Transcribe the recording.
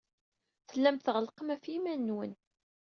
Tellam tɣellqem ɣef yiman-nwen.